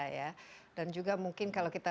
ya dan juga mungkin kalau kita